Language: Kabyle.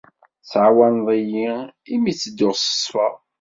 Tettɛawaneḍ-iyi imi i ttedduɣ s ṣṣfa.